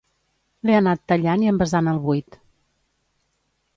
L'he anat tallant i envasant al buit